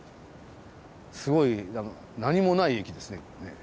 すごい何もない駅ですね。